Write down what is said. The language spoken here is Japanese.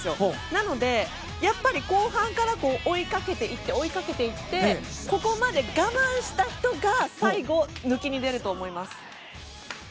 なのでやっぱり後半から追いかけて行って追いかけていってここまで我慢した人が最後、抜きに出ると思います。